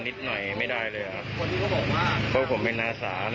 นี่รถคู่ชีพโรงพยาบาล